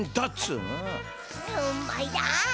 うまいだ！